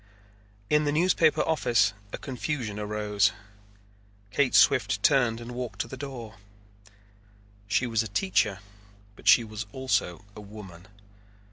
In the newspaper office a confusion arose. Kate Swift turned and walked to the door. She was a teacher but she was also a woman.